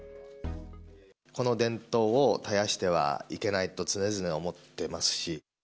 この伝統を絶やしてはいけないと、常々思ってますし。